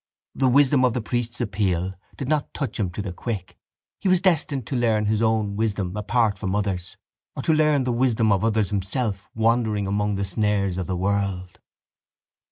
The wisdom of the priest's appeal did not touch him to the quick. He was destined to learn his own wisdom apart from others or to learn the wisdom of others himself wandering among the snares of the world.